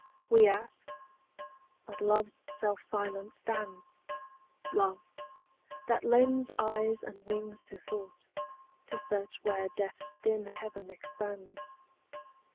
We ask: but love's self silent stands, Love, that lends eyes and wings to thought To search where death's dim heaven expands.